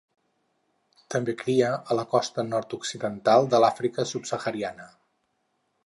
També cria a la costa nord-occidental de l'Àfrica subsahariana.